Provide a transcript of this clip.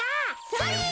それ！